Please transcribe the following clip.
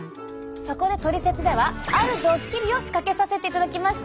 そこで「トリセツ」ではあるドッキリを仕掛けさせていただきました。